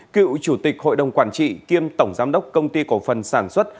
cựu chủ tịch hội đồng quản trị kiêm tổng giám đốc công ty cổ phần sản xuất